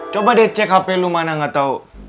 coba deh cek hp lu mana gatau